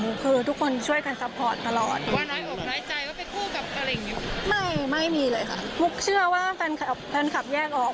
มุกเชื่อว่าแฟนคลับแยกออก